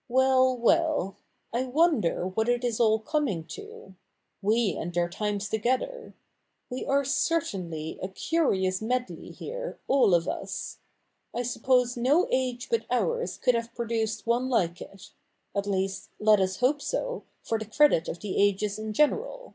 ' Well, well — I wonder what it is all coming to — we and our times together ! We are certainly a curious medley here, all of us. I suppose no age but ours could have produced one like it — at least, let us hope so, for the credit for the ages in general.'